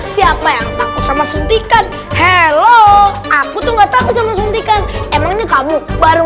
siapa yang takut sama suntikan halo aku tuh enggak takut sama suntikan emangnya kamu baru